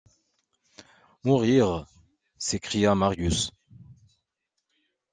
Mourir! s’écria Marius.